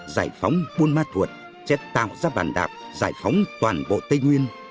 giải phóng buôn ma thuột sẽ tạo ra bàn đạp giải phóng toàn bộ tây nguyên